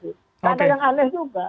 tidak ada yang aneh juga